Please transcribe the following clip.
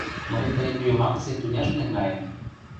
Мый тыйым йомакысе тӱняш наҥгаем.